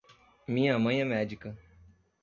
Minha mãe é médica.